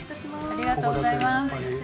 ありがとうございます。